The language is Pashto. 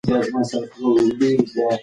آیا ته کولای شې ما ته یو کتاب راکړې؟